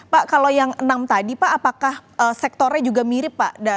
pak kalau yang enam tadi pak apakah sektornya juga mirip pak